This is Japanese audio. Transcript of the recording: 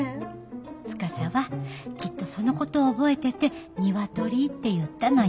司はきっとそのことを覚えててニワトリって言ったのよ。